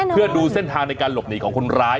เพื่อดูเส้นทางในการหลบหนีของคนร้าย